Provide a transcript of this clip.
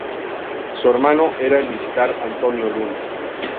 Su hermano era el militar Antonio Luna.